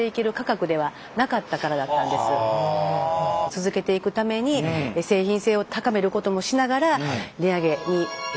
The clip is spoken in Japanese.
続けていくために製品性を高めることもしながら値上げにご協力をいただきました。